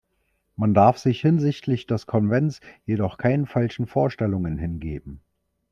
Man darf sich hinsichtlich des Konvents jedoch keinen falschen Vorstellungen hingeben.